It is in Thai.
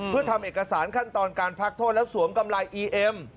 เพื่อทำเอกสารขั้นตอนการพักโทษแล้วสวมกำไรอีเอ็ม